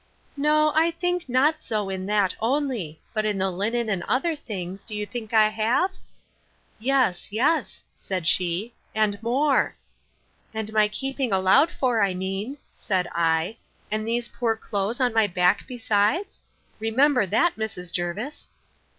No, I think not so, in that only; but in the linen, and other things, do you think I have? Yes, yes, said she, and more. And my keeping allowed for, I mean, said I, and these poor clothes on my back, besides? Remember that, Mrs. Jervis.